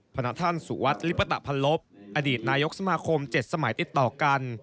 พระท่านสุวัสดิลิปตะพันลบอดีตนายกสมาคม๗สมัยติดต่อกัน